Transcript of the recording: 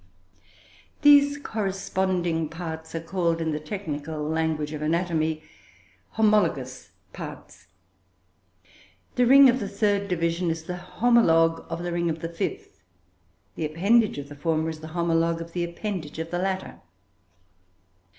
These corresponding parts are called, in the technical language of anatomy, "homologous parts." The ring of the third division is the "homologue" of the ring of the fifth, the appendage of the former is the homologue of the appendage of the latter.